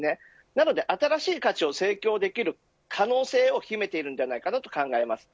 なので、新しい価値を提供できる可能性を秘めていると考えます。